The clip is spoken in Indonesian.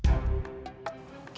jangan jangan orang itu mau ngikutin aku